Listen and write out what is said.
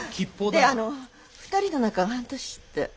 であの２人の仲は半年って。